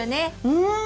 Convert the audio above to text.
うん！